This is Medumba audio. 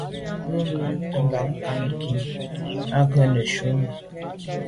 Me bumte bag ngankine à nke ngon neshu.